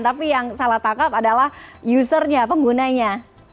tapi yang salah tangkap adalah usernya penggunanya